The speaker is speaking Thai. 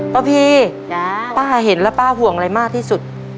พีป้าเห็นแล้วป้าห่วงอะไรมากที่สุด